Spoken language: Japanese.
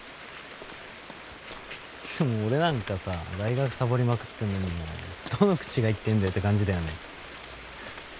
でも俺なんかさ大学サボりまくってるのにどの口が言ってんだよって感じだよね。